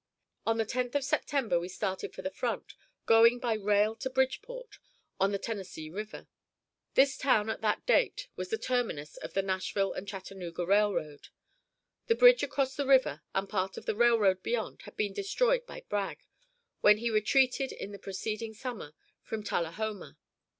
On the 10th of September we started for the front, going by rail to Bridgeport, on the Tennessee River. This town at that date was the terminus of the Nashville and Chattanooga Railroad. The bridge across the river and part of the railroad beyond had been destroyed by Bragg when he retreated in the preceding summer from Tullahoma.